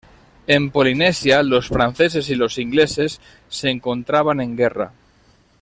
En Polinesia, los franceses y los ingleses se encontraban en guerra.